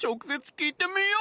きいてみよう！